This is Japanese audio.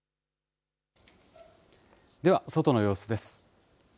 では、外の様子です。